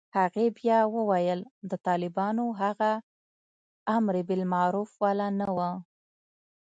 هغې بيا وويل د طالبانو هغه امربالمعروف والا نه و.